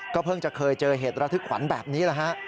เพิ่งจะเคยเจอเหตุระทึกขวัญแบบนี้แหละฮะ